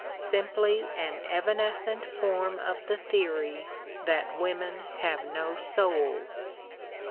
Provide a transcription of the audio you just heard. Simply an evanescent form of the theory that women have no souls.